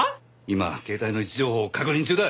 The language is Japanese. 今携帯の位置情報を確認中だ。